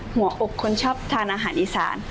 หัวอกคนชอบทานอาหารอีสาน